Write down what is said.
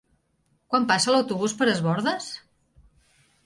Quan passa l'autobús per Es Bòrdes?